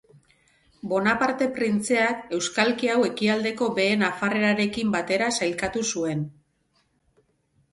Bonaparte printzeak euskalki hau Ekialdeko Behe Nafarrerarekin batera sailkatu zuen.